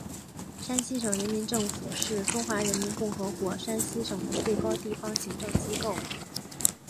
山西省人民政府是中华人民共和国山西省的最高地方行政机构。